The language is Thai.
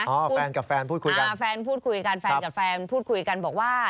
อ๋อแฟนกับแฟนพูดคุยกันแฟนกับแฟนพูดคุยกันบอกว่า